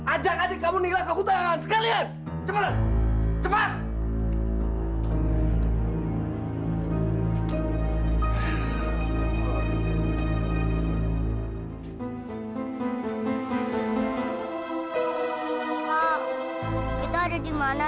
ajak adik kamu nih ke hutan